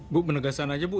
bu penegasan aja bu